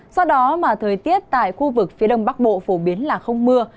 do đó mà thời tiết tại khu vực phía đông bắc bộ phổ biến là không mưa